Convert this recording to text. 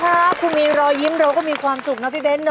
ครับคุณมีรอยยิ้มเราก็มีความสุขนะพี่เบ้นนะ